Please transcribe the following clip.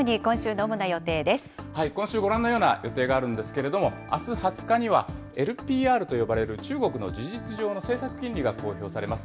今週、ご覧のような予定があるんですけれども、あす２０日には、ＬＰＲと呼ばれる中国の事実上の政策金利が公表されます。